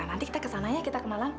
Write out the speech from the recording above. nanti kita kesananya kita ke malang